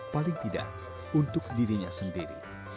paling tidak untuk dirinya sendiri